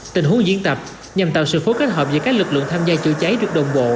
tình huống diễn tập nhằm tạo sự phối kết hợp giữa các lực lượng tham gia chữa cháy được đồng bộ